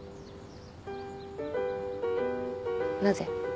なぜ？